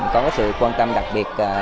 có sự quan tâm đặc biệt